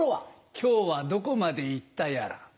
今日はどこまで行ったやら。